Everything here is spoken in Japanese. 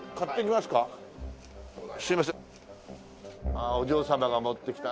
ああお嬢様が持ってきた。